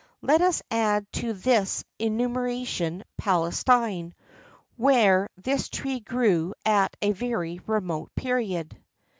Let us add to this enumeration Palestine, where this tree grew at a very remote period.